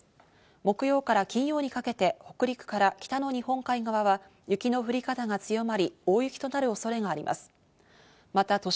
木曜から金曜にかけて、北陸から北の日本海側は雪の降り方が強まり、大雪となる恐れがあります。